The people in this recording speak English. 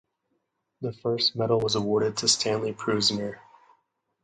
The first medal was awarded to Stanley Prusiner.